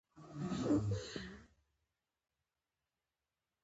هګۍ په کوچو کې تازه پخې شوي ډوډۍ هم توده ده.